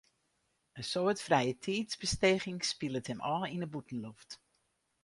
In soad frijetiidsbesteging spilet him ôf yn de bûtenloft.